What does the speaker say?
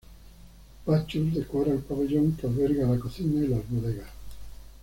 Bacchus decora el pabellón que alberga la cocina y las bodegas.